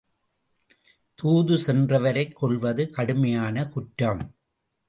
தூது சென்றவரைக் கொல்வது கடுமையான குற்றம்.